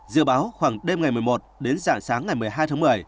dự báo khoảng đêm ngày một mươi một đến dạng sáng ngày một mươi hai tháng một mươi